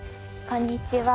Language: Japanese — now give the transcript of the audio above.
こんにちは。